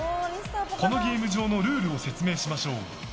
このゲーム場のルールを説明しましょう。